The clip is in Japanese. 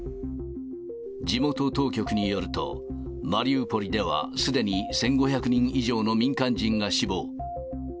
地元当局によると、マリウポリではすでに１５００人以上の民間人が死亡。